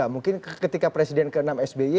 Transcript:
mungkin ketika presiden ke enam sby